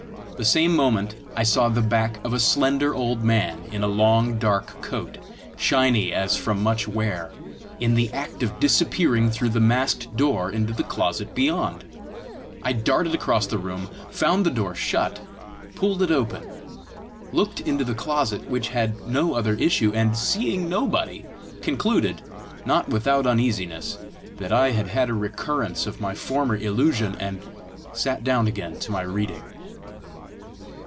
The same moment I saw the back of a slender old man, in a long, dark coat, shiny as from much wear, in the act of disappearing through the masked door into the closet beyond. I darted across the room, found the door shut, pulled it open, looked into the closet, which had no other issue, and, seeing nobody, concluded, not without uneasiness, that I had had a recurrence of my former illusion, and sat down again to my reading.